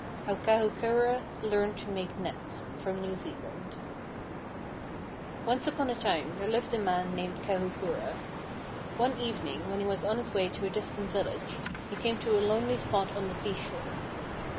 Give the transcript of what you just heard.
HOW KAHUKURA LEARNED TO MAKE NETS From New Zealand Once upon a time there lived a man named Kahukura. One evening, when he was on his way to a distant village, he came to a lonely spot on the seashore.